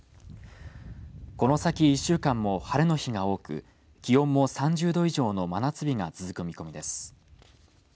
この先１週間も晴れの日が多く気温も３０度以上の真夏日が続く見込みです。